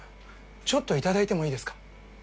ちょっといただいてもいいですか？